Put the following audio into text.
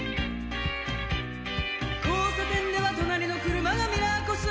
「交差点では隣の車がミラーこすったと」